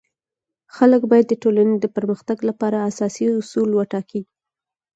خلک باید د ټولنی د پرمختګ لپاره اساسي اصول وټاکي.